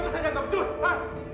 kerja kita saja yang takut